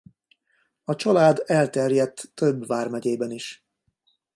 A család elterjedt több vármegyébe is.